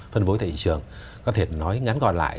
phân vối thị trường có thể nói ngắn gọn lại